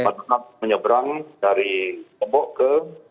mereka menyeberang dari kelompok ke